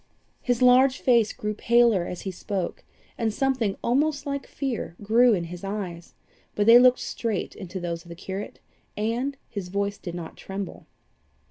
His large face grew paler as he spoke, and something almost like fear grew in his eyes, but they looked straight into those of the curate, and his voice did not tremble.